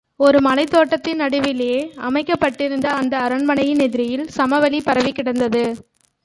ஒரு மலைத் தோட்டத்தின் நடுவிலே அமைக்கப் பட்டிருந்த அந்த அரண்மனையின் எதிரில் சமவெளி பரவிக் கிடந்தது.